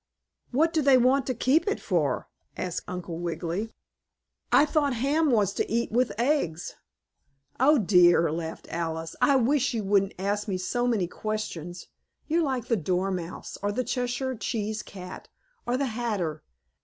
"What do they want to keep it for?" asked Uncle Wiggily. "I thought ham was to eat, with eggs." "Oh, dear!" laughed Alice. "I wish you wouldn't ask me so many questions. You're like the Dormouse, or the Cheshire Cheese Cat or the Hatter.